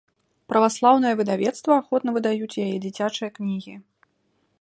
Праваслаўныя выдавецтва ахвотна выдаюць яе дзіцячыя кнігі.